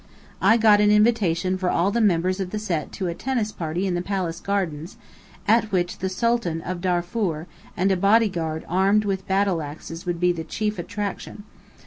I got an invitation for all the members of the Set to a tennis party in the Palace gardens, at which the Sultan of Dafur and a bodyguard armed with battle axes would be the chief attraction.